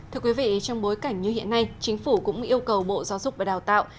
thưa quý vị trong bối cảnh như hiện nay chính phủ cũng yêu cầu bộ giáo dục và đào tạo